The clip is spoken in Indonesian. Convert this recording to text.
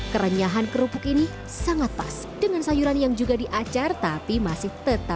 kerenyahan kerupuk ini sangat pas dengan sayuran yang juga diacar tapi masih tetap